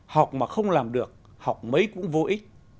học mà không làm được học mấy cũng vô ích